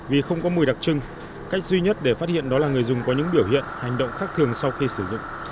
vì không có mùi đặc trưng cách duy nhất để phát hiện đó là người dùng có những biểu hiện hành động khác thường sau khi sử dụng